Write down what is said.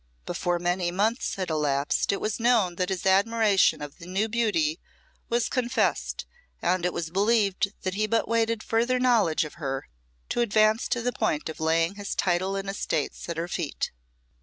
Before many months had elapsed, it was known that his admiration of the new beauty was confessed, and it was believed that he but waited further knowledge of her to advance to the point of laying his title and estates at her feet.